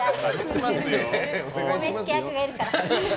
お目付け役がいるから。